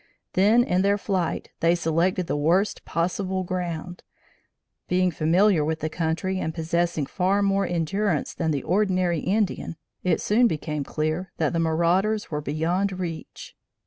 Then in their flight, they selected the worst possible ground. Being familiar with the country and possessing far more endurance than the ordinary Indian, it soon became clear that the marauders were beyond reach.